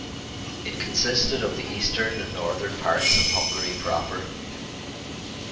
It consisted of the eastern and northern parts of Hungary proper.